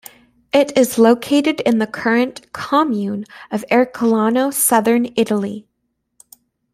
It is located in the current "commune" of Ercolano, southern Italy.